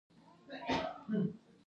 لومړۍ مرحله د وزارت له خوا تسوید دی.